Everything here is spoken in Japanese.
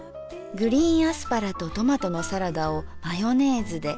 グリーンアスパラとトマトのサラダをマヨネーズで。